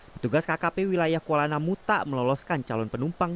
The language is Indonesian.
petugas kkp wilayah kuala namu tak meloloskan calon penumpang